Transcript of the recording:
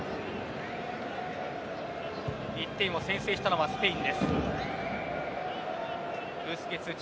１点を先制したのはスペインです。